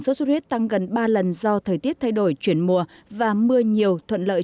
sốt xuất huyết tăng gần ba lần do thời tiết thay đổi chuyển mùa và mưa nhiều thuận lợi